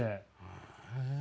へえ。